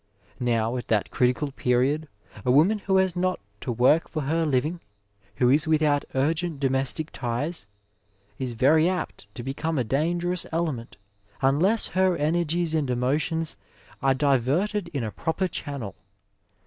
Now, at that critical period a woman who has not to work for her living, who is without urgent domestic ties, is very apt to become a dangerous element unless her energies and emotions are diverted in a proper channel.